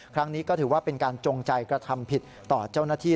ครั้งนี้ก็ถือว่าเป็นการจงใจกระทำผิดต่อเจ้าหน้าที่